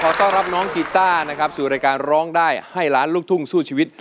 ขอต้อนรับน้องกิทตาด้านสู่รายการร้องได้ให้ล้านลูกถุงสู้ชีวิต